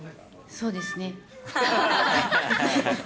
そうです。